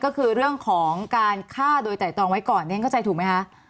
ก็คือเรื่องของการฆ่าโดยไตรตรองไว้ก่อนเรียนเข้าใจถูกไหมคะ